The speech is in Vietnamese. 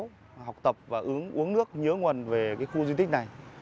nhìn nhận là một cái mà để cho con cháu học tập và uống nước nhớ nguồn về khu di tích này